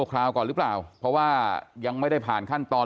คราวก่อนหรือเปล่าเพราะว่ายังไม่ได้ผ่านขั้นตอน